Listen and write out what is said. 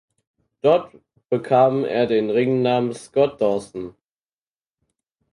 Dort bekam er den Ringnamen "Scott Dawson".